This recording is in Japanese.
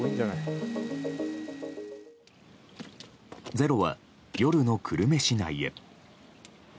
「ｚｅｒｏ」は夜の久留米市内へ。